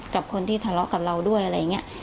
กับคนที่ทะเลาะกับเราด้วยอะไรอย่างนี้